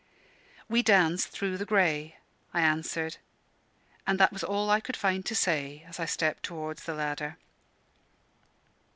"We danced through the grey," I answered; and that was all I could find to say, as I stepped towards the ladder.